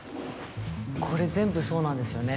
これ全部そうなんですよね？